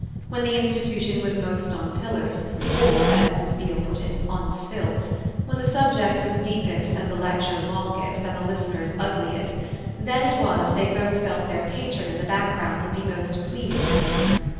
When the institution was most on pillars or, as Mrs. Beale put it, on stilts when the subject was deepest and the lecture longest and the listeners ugliest, then it was they both felt their patron in the background would be most pleased with them.